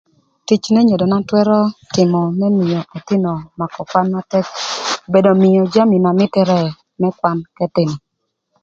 Tic n'enyodona twërö tïmö më mïö ëthïnö makö kwan na tëk obedo mïö jamï na mïtërë më kwan k'ëthïnö.